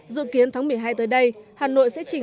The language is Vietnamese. dự kiến tháng một mươi hai tới đây hà nội sẽ chỉnh